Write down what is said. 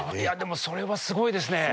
それはすごいですね。